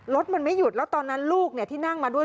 รถมันไม่หยุดแล้วตอนนั้นลูกที่นั่งมาด้วย